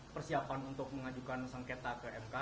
persiapan untuk mengajukan sengketa ke mk